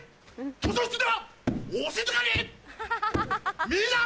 図書室はお静かに